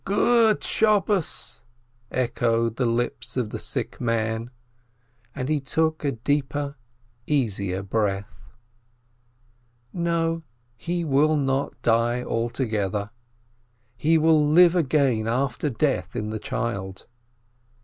"A good Sabbath!" echoed the lips of the sick man, and he took a deeper, easier breath. No, he will not die altogether, he will live again after death in the child.